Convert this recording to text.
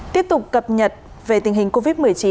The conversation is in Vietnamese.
tiếp tục cập nhật về tình hình covid một mươi chín